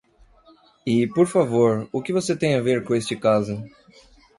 E, por favor, o que você tem a ver com este caso?